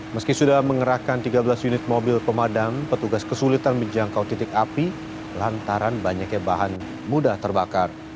meski sudah mengerahkan tiga belas unit mobil pemadam petugas kesulitan menjangkau titik api lantaran banyaknya bahan mudah terbakar